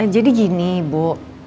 jadi gini bu